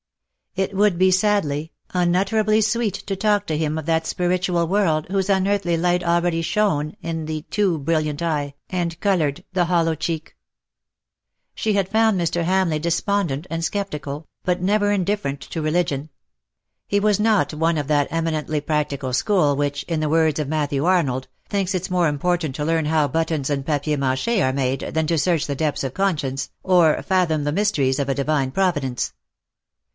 It would be sadly, un utterably sweet to talk to him of that spiritual world whose unearthly light already shone in the ^'20 '• BUT IT SUFFICETH too brilliant eye^ and coloured the hollow cheek. She had found Mr. Hamleigh despondent and scep ticalj but never indifferent to religion. He was not one of that eminently practical school which, in the words of Matthew Arnold, thinks it more important to learn how buttons and papier rnclc he are made than to search the depths of conscience, or fathom the mysteries of a Divine Providence.